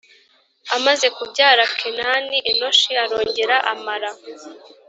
Amaze kubyara kenani enoshi arongera amara